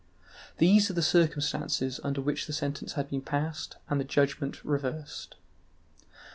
These are the circumstances under which the sentence had been passed and the judgment reversed.